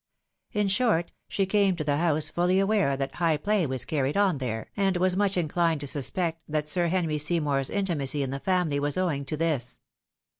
In short, she came to the house fully aware that high play was carried on there, and was much inclined to suspect that Sir Henry Seymour's intimacy in the family was owing to this.